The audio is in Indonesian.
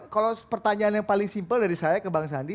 kalau pertanyaan yang paling simpel dari saya ke bang sandi